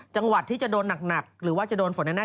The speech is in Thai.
จังหวัดที่จะโดนหนักหรือว่าจะโดนฝนแน่